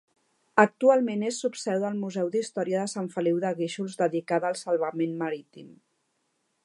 Actualment és subseu del Museu d'Història de Sant Feliu de Guíxols dedicada al salvament marítim.